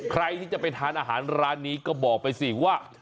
ใครที่จะไปทานอาหารร้านนี้ก็บอกไปสิว่า